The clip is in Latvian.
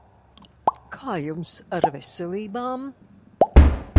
Kā jums ar veselībām?